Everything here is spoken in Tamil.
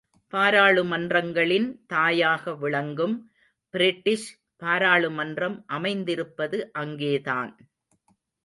பாராளுமன்றங்களின் தாயாக விளங்கும் பிரிட்டிஷ் பாராளுமன்றம் அமைந்திருப்பது அங்கேதான்.